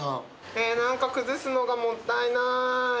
え何か崩すのがもったいない。